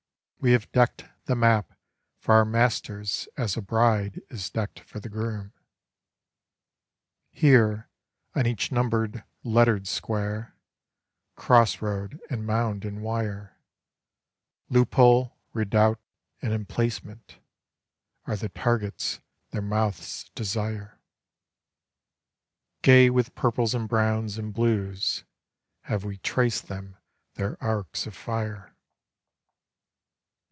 We have decked the map for our masters as a bride is decked for the groom. Here, on each numbered lettered square, cross road and mound and wire, Loophole, redoubt, and emplacement, are the targets their mouths desire, Gay with purples and browns and blues, have we traced them their arcs of fire.